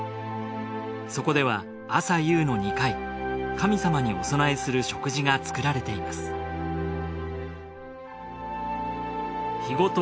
そこでは朝夕の２回神様にお供えする食事が作られています日別